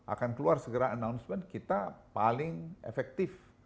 akan keluar segera announcement kita paling efektif